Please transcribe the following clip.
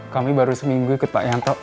kami baru seminggu ikut pak yanto